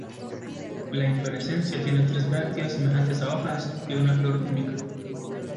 La inflorescencia tiene tres brácteas semejantes a hojas y una flor única.